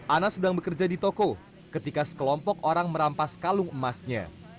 ana sedang bekerja di toko ketika sekelompok orang merampas kalung emasnya